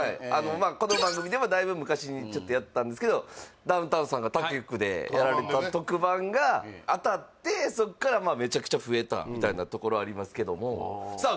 この番組でもだいぶ昔にちょっとやったんですけどダウンタウンさんが他局でやられた特番が当たってそっからまあめちゃくちゃ増えたみたいなところありますけどもああさあ